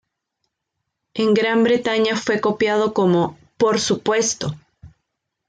En Gran Bretaña fue copiado como ¡Por supuesto!